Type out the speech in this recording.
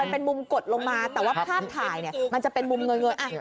เป็นมุมกดลงมาแต่ว่าภาพถ่ายเนี่ยมันจะเป็นมุมเงย